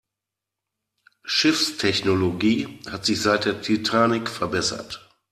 Schiffstechnologie hat sich seit der Titanic verbessert.